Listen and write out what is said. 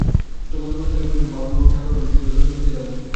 তখন নবীনকালী কহিলেন, বামুন-ঠাকরুন, যাও তো, শীঘ্র দরজা খুলিয়া দাও গে।